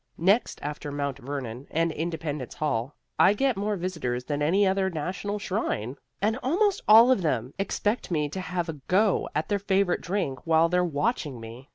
Next after Mount Vernon and Independence Hall, I get more visitors than any other national shrine. And almost all of them expect me to have a go at their favorite drink while they're watching me.